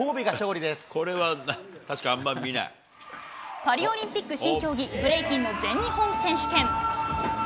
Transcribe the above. パリオリンピック新競技、ブレイキンの全日本選手権。